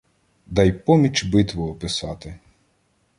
Дай поміч битву описати